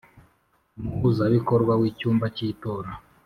umuhuzabikorwa w icyumba cy itora.